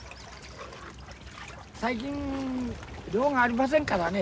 最近量がありませんからね。